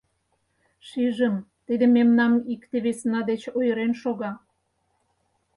Шижым: тиде мемнам икте-весына деч ойырен шога.